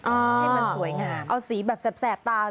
ให้มันสวยงามเอาสีแบบแสบตาเลย